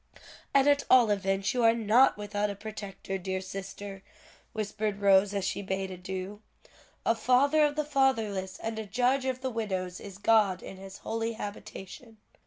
"And at all events you are not without a protector, dear sister," whispered Rose, as she bade adieu. "'A father of the fatherless, and a judge of the widows is God in his holy habitation.'"